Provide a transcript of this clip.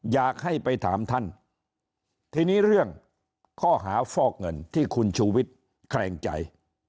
อยากให้ไปถามท่านทีนี้เรื่องข้อหาฟอกเงินที่คุณชูวิทย์แคลงใจ